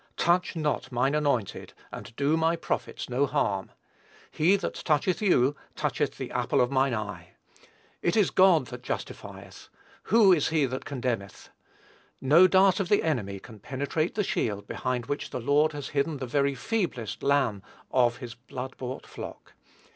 "Touch not mine anointed, and do my prophets no harm." "He that toucheth you, toucheth the apple of mine eye." "It is God that justifieth, who is he that condemneth?" No dart of the enemy can penetrate the shield, behind which the Lord has hidden the very feeblest lamb of his blood bought flock.